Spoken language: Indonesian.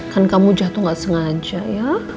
kan kamu jatuh nggak sengaja ya